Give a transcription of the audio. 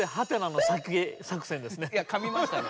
いやかみましたね。